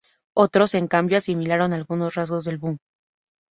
Otros, en cambio, asimilaron algunos rasgos del boom.